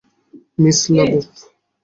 Miss La বোফ!